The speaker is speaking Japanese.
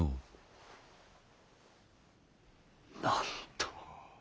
なんと。